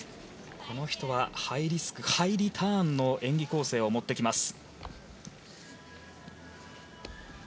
この人はハイリスク、ハイリターンの演技構成を持ってきます。